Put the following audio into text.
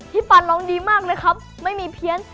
ปันร้องดีมากเลยครับไม่มีเพี้ยน